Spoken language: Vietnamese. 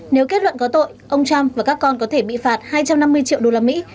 nếu kết luận có tội ông trump và các con có thể bị phạt hai trăm năm mươi triệu đô la mỹ